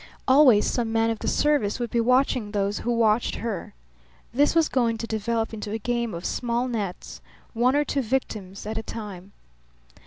Always some man of the service would be watching those who watched her. This was going to develop into a game of small nets, one or two victims at a time.